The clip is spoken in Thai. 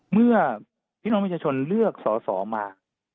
เมื่อพี่น้องประชาชนเลือกสอสอมา